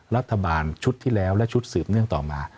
รัฐบาลชุดที่แล้วและชุดสืบเนื่องต่อมา